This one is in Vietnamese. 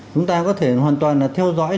chúng ta có thể hoàn toàn theo dõi